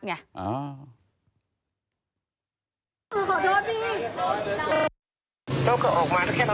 ทำโทรศัพท์๒ครั้ง